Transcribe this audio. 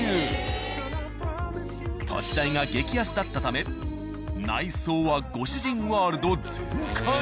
土地代が激安だったため内装はご主人ワールド全開。